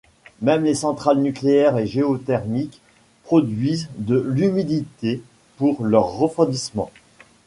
Même les centrales nucléaires et géothermiques produisent de l'humidité pour leur refroidissement.